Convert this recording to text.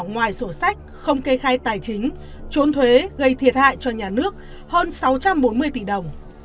ngoài sổ sách không kê khai tài chính trốn thuế gây thiệt hại cho nhà nước hơn sáu trăm bốn mươi tỷ đồng